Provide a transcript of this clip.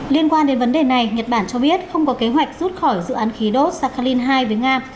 liên quan đến vấn đề này nhật bản cho biết không có kế hoạch rút khỏi dự án khí đốt sakhalin hai với nga